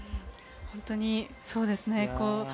本当にそうですね。